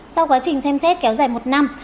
sau quá trình xem xét kéo dài một năm